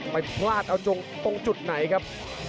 ไปพลาดเอาจงตรงจุดไหนครับ